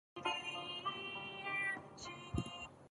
He welcomed the new station to the air.